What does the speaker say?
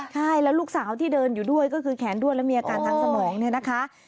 ใช่แล้วลูกสาวที่เดินอยู่ด้วยก็คือแขนด้วนแล้วมีอาการทางสมองเนี่ยนะคะ